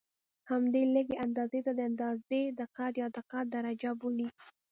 همدې لږې اندازې ته د اندازې دقت یا دقت درجه بولي.